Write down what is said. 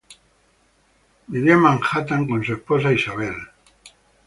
Vivía en Manhattan con su esposa, Isabel.